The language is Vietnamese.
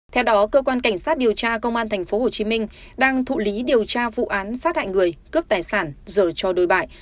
theo đó cơ quan cảnh sát điều tra công an tp hcm đang thụ lý điều tra vụ án sát hại người cướp tài sản rồi cho đôi bại